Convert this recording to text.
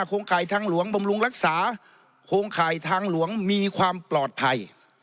โครงข่ายทางหลวงบำรุงรักษาโครงข่ายทางหลวงมีความปลอดภัย